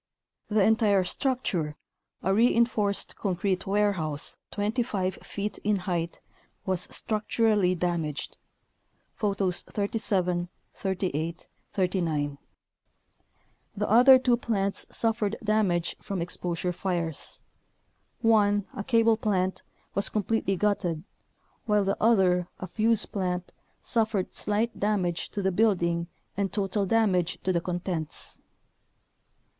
The entire structure, a reinforced concrete warehouse 25 feet in height, was structurally damaged (Photos 37, 38, 39) . The other two plants suf fered damage from exposure fires. One, a cable plant, was completely gutted, while the other, a fuze plant, suffered slight damage to the building and total damage to the contents.